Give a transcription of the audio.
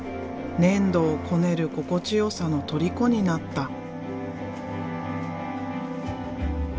粘土をこねる心地よさのとりこになった。